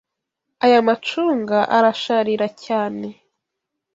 Aya macunga arasharira cyane.